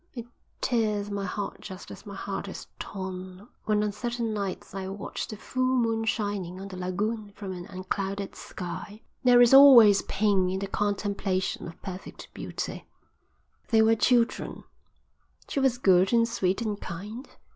It tears my heart just as my heart is torn when on certain nights I watch the full moon shining on the lagoon from an unclouded sky. There is always pain in the contemplation of perfect beauty." "They were children. She was good and sweet and kind.